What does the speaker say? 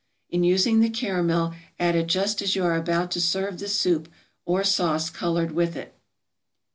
In using the caramel add it just as you are about to serve the soup, or sauce colored with it.